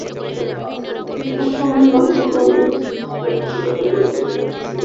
বৃথা সময় নষ্ট হইতেছে–আমি তবে চলিলাম।